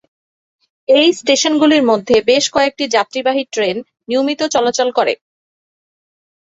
এই স্টেশনগুলির মধ্যে বেশ কয়েকটি যাত্রীবাহী ট্রেন নিয়মিত চলাচল করে।